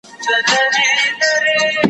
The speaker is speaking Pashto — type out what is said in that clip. زه له سهاره د سبا لپاره د يادښتونه بشپړوم!.